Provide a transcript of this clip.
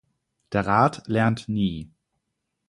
Der Rat lernt nie.